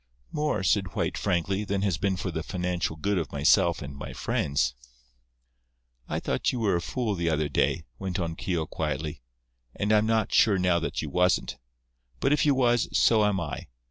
"More," said White, frankly, "than has been for the financial good of myself and my friends." "I thought you were a fool the other day," went on Keogh, quietly, "and I'm not sure now that you wasn't. But if you was, so am I.